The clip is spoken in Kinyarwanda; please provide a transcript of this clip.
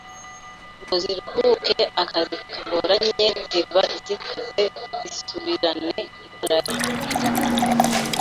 ngo ziruhuke akazi kagoranye ziba zakoze zisubirane imbaraga,